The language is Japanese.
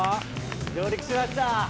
上陸しました！